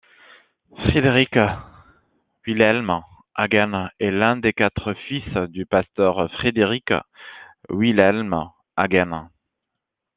Friedrich Wilhelm Hagen est l'un des quatre fils du pasteur Friedrich Wilhelm Hagen.